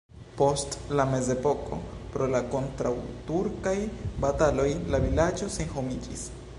Post la mezepoko pro la kontraŭturkaj bataloj la vilaĝo senhomiĝis.